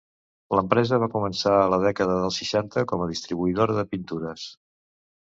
L'empresa va començar a la dècada dels seixanta com a distribuïdora de pintures.